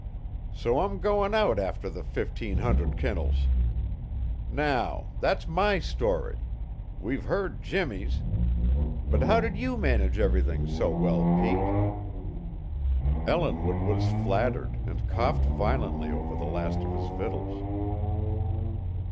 So I'm going out after the fifteen hundred quintals. Now, that's my story. We've heard Jimmie's; but how did you manage everything so well, Pete?" Ellinwood was flattered and coughed violently over the last of his victuals.